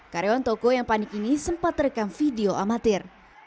karyawan toko yang panik ini sempat terekam video amatir